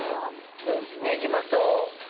ねぎまと。